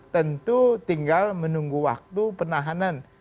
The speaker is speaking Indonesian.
tentu tinggal menunggu waktu penahanan